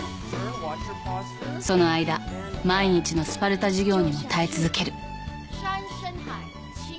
その間毎日のスパルタ授業にも耐え続ける。